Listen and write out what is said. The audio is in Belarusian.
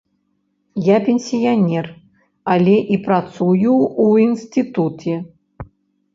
Я пенсіянер, але і працую ў інстытуце.